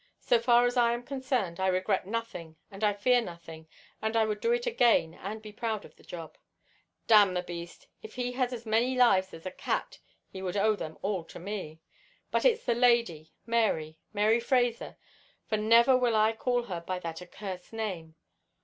So far as I am concerned I regret nothing and I fear nothing, and I would do it all again and be proud of the job. Curse the beast, if he had as many lives as a cat he would owe them all to me! But it's the lady, Mary—Mary Fraser—for never will I call her by that accursed name.